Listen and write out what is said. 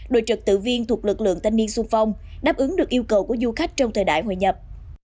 đội trực tự viên thuộc lực lượng thanh niên sung phong đáp ứng được yêu cầu của du khách trong thời đại hội nhập